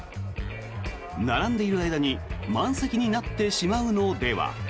並んでいる間に満席になってしまうのでは。